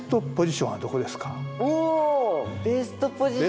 おおベストポジション！